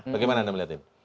bagaimana anda melihat ini